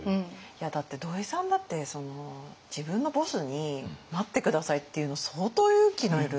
だって土井さんだって自分のボスに「待って下さい」って言うの相当勇気のいる。